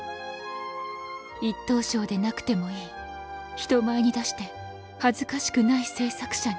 一等賞でなくてもいい人前に出して恥ずかしくない制作者に。